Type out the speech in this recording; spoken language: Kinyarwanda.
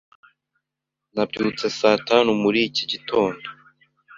Nabyutse saa tanu muri iki gitondo.